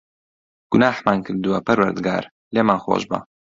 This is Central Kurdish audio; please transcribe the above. گوناحمان کردووە، پەروەردگار، لێمان خۆشبە.